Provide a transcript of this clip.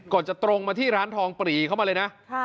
จะตรงมาที่ร้านทองปรีเข้ามาเลยนะ